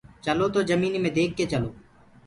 چلو تو جميني مي ديک ڪي چلو